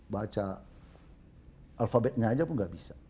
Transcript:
baca alfabetnya saja pun tidak bisa